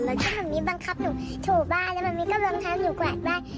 แล้วถ้ามัมมี่บังคับหนูโถบ้าแล้วมัมมี่ก็บังคับหนูแบบนั้น